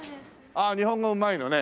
ああ日本語うまいのね。